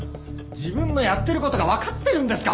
自分のやってる事がわかってるんですか！？